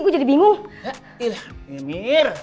gue jadi bingung